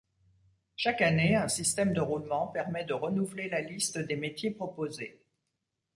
Chaque année, un système de roulement permet de renouveler la liste des métiers proposés.